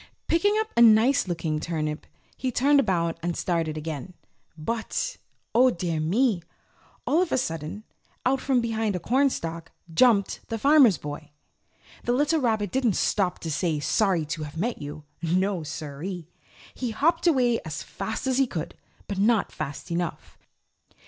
Picking up a nice looking turnip, he turned about and started back again. But, Oh dear me! All of a sudden out from behind a cornstack jumped the Farmer's Boy. The little rabbit didn't stop to say sorry to have met you. No siree. He hopped away as fast as he could, but not fast enough.